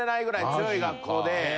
強い学校で。